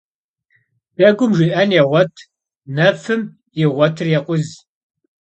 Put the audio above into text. Degum jji'en yêğuet, nefım yiğuetır yêkhuz.